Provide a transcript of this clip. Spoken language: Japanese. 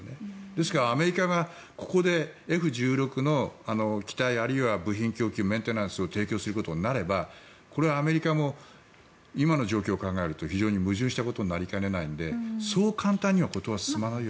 ですから、アメリカがここでＦ１６の機体あるいは部品供給メンテナンスを供給することになればこれはアメリカも今の状況を考えると非常に矛盾したことになりかねないのでそう簡単には事が進まない。